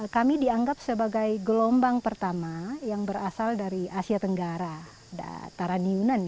kami dianggap sebagai gelombang pertama yang berasal dari asia tenggara taraniunan